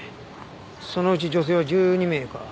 そのうち女性は１２名か。